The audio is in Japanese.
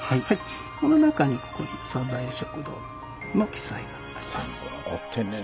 その中にここにサザエ食堂の記載があります。